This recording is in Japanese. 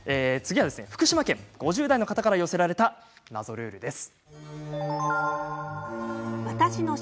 福島県５０代の方から寄せられた謎ルールです。